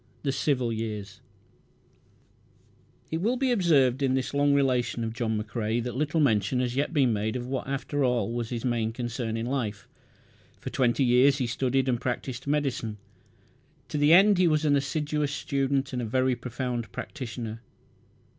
The Civil Years It will be observed in this long relation of John McCrae that little mention has yet been made of what after all was his main concern in life. For twenty years he studied and practised medicine. To the end he was an assiduous student and a very profound practitioner.